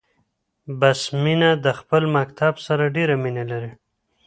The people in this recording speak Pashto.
بسمينه د خپل مکتب سره ډيره مينه لري 🏫